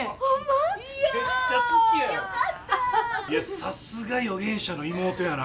さすが予言者の妹やな。